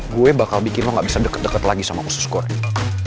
gue bakal bikin lo gak bisa deket deket lagi sama khusus korea